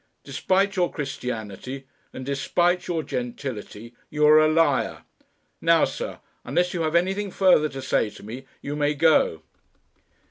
Despite your Christianity, and despite your gentility you are a liar. Now, sir, unless you have anything further to say to me, you may go."